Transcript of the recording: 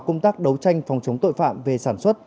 công tác đấu tranh phòng chống tội phạm về sản xuất